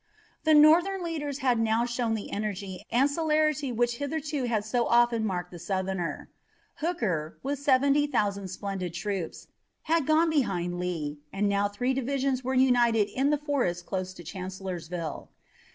The Northern leaders had now shown the energy and celerity which hitherto had so often marked the Southern. Hooker, with seventy thousand splendid troops, had gone behind Lee and now three divisions were united in the forest close to Chancellorsville.